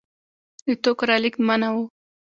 د توکو رالېږد منع و.